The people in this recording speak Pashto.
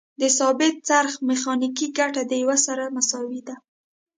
د ثابت څرخ میخانیکي ګټه د یو سره مساوي ده.